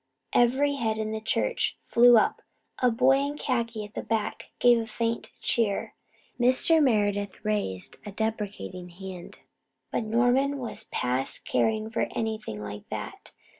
Every head in the church flew up. A boy in khaki at the back gave a faint cheer. Mr. Meredith raised a deprecating hand, but Norman was past caring for anything like that.